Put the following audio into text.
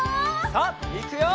さあいくよ！